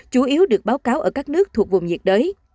chủ yếu được báo cáo ở các nước thuộc vùng nhiệt đới